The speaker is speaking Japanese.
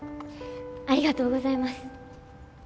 ありがとうございます。